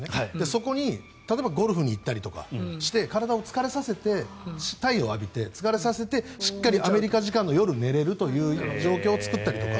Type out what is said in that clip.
そこに例えばゴルフに行ったりとかして体を疲れさせて太陽を浴びて疲れさせてしっかりアメリカ時間の夜に寝れるという状況を作ったりとか。